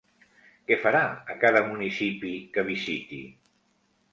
Què farà a cada municipi que visiti?